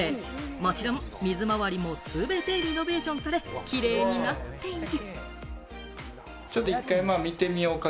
もちろん水回りも全てリノベーションされ、キレイになっている。